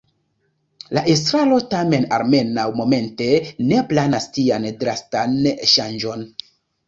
La estraro tamen almenaŭ momente ne planas tian drastan ŝanĝon.